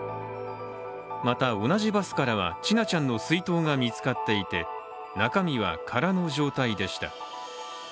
また、同じバスからは千奈ちゃんの水筒が見つかっていて中身は空の状態でした。